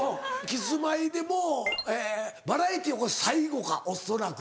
キスマイでもうバラエティー最後か恐らく。